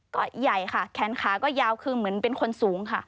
ก็ใหญ่ค่ะแขนขาก็ยาวคือเหมือนเป็นคนสูงค่ะ